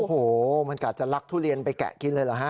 โอ้โหมันกะจะลักทุเรียนไปแกะกินเลยเหรอฮะ